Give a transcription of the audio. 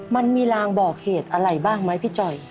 มันมีรางบอกเหตุอะไรบ้างไหมพี่จอย